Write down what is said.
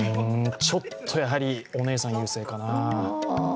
ちょっとやはりお姉さん優勢かな。